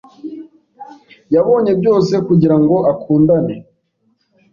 Yabonye byose kugirango akundane.